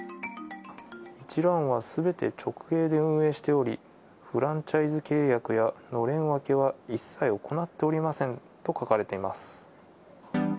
一蘭は全て直営で運営しておりフランチャイズ契約やのれん分けは一切行っておりませんと書かれています。